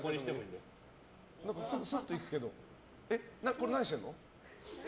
これ、何してるの？